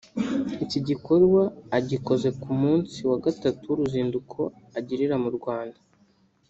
Iki gikorwa agikoze ku munsi wa gatatu w’uruzinduko agirira mu Rwanda